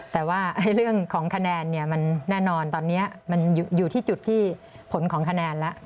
แต่ว่าเรื่องของคะแนนเนี่ยมันแน่นอนตอนนี้มันอยู่ที่จุดที่ผลของคะแนนแล้ว